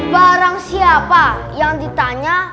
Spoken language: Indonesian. barang siapa yang ditanya